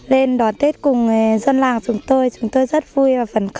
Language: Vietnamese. lên đón tết cùng dân làng chúng tôi chúng tôi rất vui